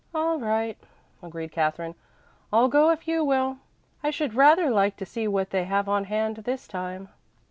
"All right," agreed Katherine. "I'll go if you will. I should rather like to see what they have on hand this time."